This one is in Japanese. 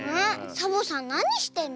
サボさんなにしてるの？